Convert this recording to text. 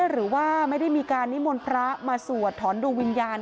หรือว่าไม่ได้มีการนิมนต์พระมาสวดถอนดวงวิญญาณ